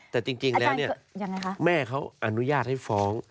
แต่จริงแล้วเนี่ยแม่เขาอนุญาตให้ฟ้อง